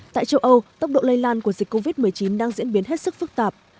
tại châu âu tốc độ lây lan của dịch covid một mươi chín đang diễn biến hết sức phức tạp